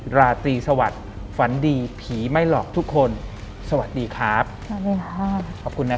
หลังจากนั้นเราไม่ได้คุยกันนะคะเดินเข้าบ้านอืม